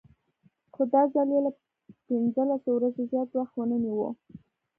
خو دا ځل یې له پنځلسو ورځو زیات وخت ونه نیوه.